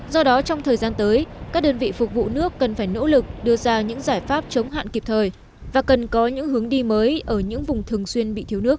do đó trong thời gian tới các đơn vị phục vụ nước cần phải nỗ lực đưa ra những giải pháp chống hạn kịp thời và cần có những hướng đi mới ở những vùng thường xuyên bị thiếu nước